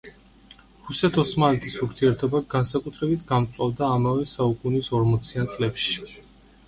რუსეთ-ოსმალეთის ურთიერთობა განსაკუთრებით გამწვავდა ამავე საუკუნის ორმოციან წლებში.